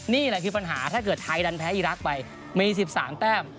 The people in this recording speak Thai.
นี่แหละคือปัญหาถ้าเกิดไทยดันแพ้อีรักษ์ไปมี๑๓แต้ม